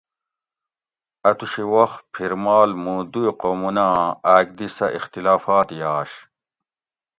اۤ توشی وخ پھِرمال مُوں دُوئ قومونہ آں آۤک دی سہۤ اختلافات یاش